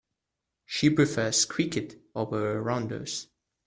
She prefers cricket over rounders.